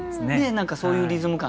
何かそういうリズム感ですよね。